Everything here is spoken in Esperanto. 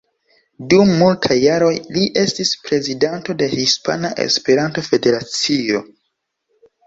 Dum multaj jaroj li estis prezidanto de Hispana Esperanto-Federacio.